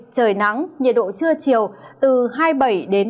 trời nắng nhiệt độ trưa chiều từ hai mươi bảy ba mươi độ